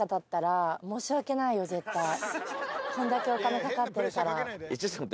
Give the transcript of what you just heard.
絶対こんだけお金かかってるから。